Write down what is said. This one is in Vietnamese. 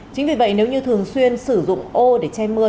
chính vì vậy nếu như thường xuyên sử dụng ô để che mưa